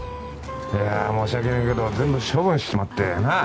いやー申し訳ないけど全部処分しちまってなあ？